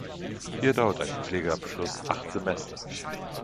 Hier dauert ein Pflegeabschluss acht Semester.